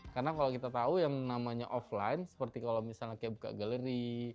karena kalau kita tahu yang namanya offline seperti kalau misalnya kita buka galeri